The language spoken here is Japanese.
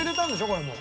これも。